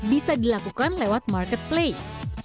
bisa dilakukan lewat marketplace